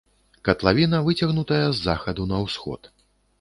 Катлавіна выцягнутая з захаду на ўсход.